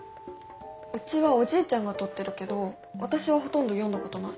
うちはおじいちゃんが取ってるけど私はほとんど読んだことない。